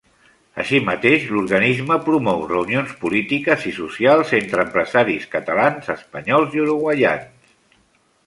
Així mateix, l'organisme promou reunions polítiques i socials entre empresaris catalans, espanyols i uruguaians.